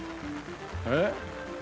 えっ？